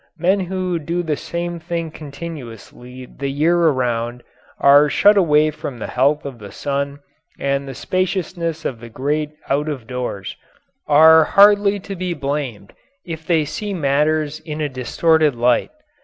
Men who do the same thing continuously the year around and are shut away from the health of the sun and the spaciousness of the great out of doors are hardly to be blamed if they see matters in a distorted light.